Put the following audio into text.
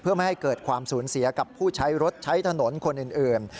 เพื่อไม่ให้เกิดความสูญเสียกับผู้ใช้รถใช้ถนนคนอื่น